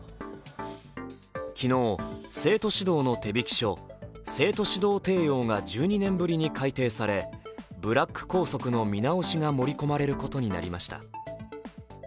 昨日、生徒指導の手引書、「生徒指導提要」が１２年ぶりに改定され、ブラック校則の見直しが盛り込まれることになりました。